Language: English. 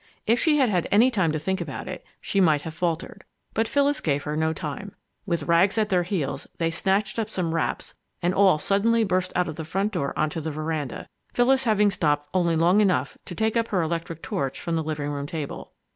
If she had had any time to think about it, she might have faltered. But Phyllis gave her no time. With Rags at their heels, they snatched up some wraps and all suddenly burst out of the front door onto the veranda, Phyllis having stopped only long enough to take up her electric torch from the living room table.